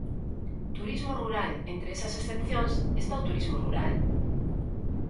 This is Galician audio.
Turismo Rural Entre esas excepcións está o turismo rural.